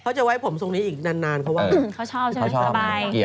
จะไว้ผมทรงนี้อีกนานเขาว่าเขาชอบใช่ไหมสบาย